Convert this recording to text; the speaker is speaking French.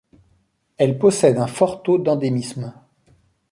Elle possède un fort taux d'endémisme.